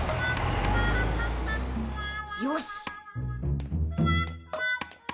よし！